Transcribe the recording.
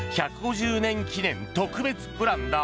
１５０年記念特別プランだ。